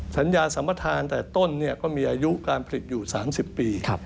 สัญญาสัมประธานแต่ต้นก็มีอายุการผลิตอยู่๓๐ปี